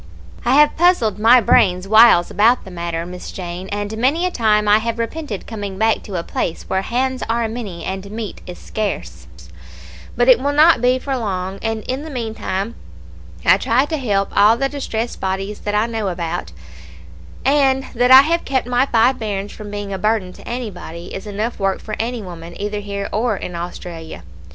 I have puzzled my brains whiles about the matter, Miss Jane, and many a time I have repented coming back to a place where hands are many and meat is scarce; but it will not be for long; and in the meantime I try to help all the distressed bodies that I know about; and that I have kept my five bairns from being a burden to anybody, is enough work for any woman either here or in Australia.